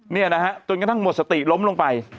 เนี่ยนะฮะจนกระทั่งหมดสติล้มลงไป